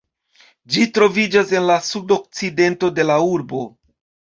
Ĝi troviĝas en la sudokcidento de la urbo.